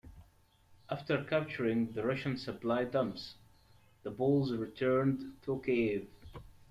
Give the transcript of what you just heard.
After capturing the Russian supply dumps, the Poles returned to Kiev.